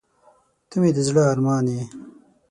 • ته مې د زړه ارمان یې.